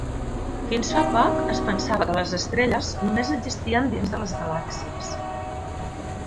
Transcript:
Fins fa poc, es pensava que les estrelles només existeixen dins de les galàxies.